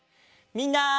みんな！